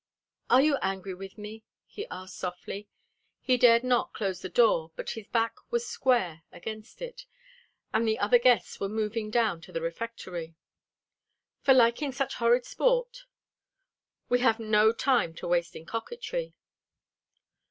"Are you angry with me?" he asked softly. He dared not close the door, but his back was square against it, and the other guests were moving down to the refectory. "For liking such horrid sport?" "We have no time to waste in coquetry."